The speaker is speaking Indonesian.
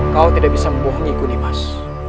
kau tidak bisa membohongiku dimas